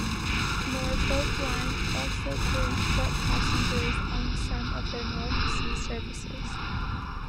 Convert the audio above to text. Norfolkline also carried foot passengers on some of their North Sea services.